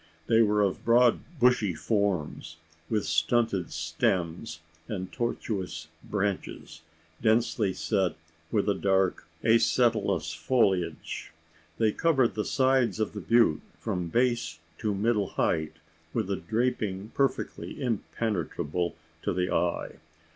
They were of broad bushy forms, with stunted stems, and tortuous branches, densely set with a dark acetalous foliage. They covered the sides of the butte, from base to middle height, with a draping perfectly impenetrable to the eye.